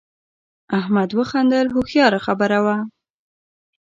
احمد وخندل هوښیاره خبره وه.